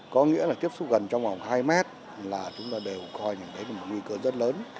có nghĩa là tiếp xúc gần trong khoảng hai mét là chúng ta đều coi như thế này là một nguy cơ rất lớn